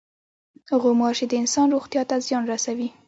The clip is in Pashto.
غوماشې د انسان روغتیا ته زیان رسوي.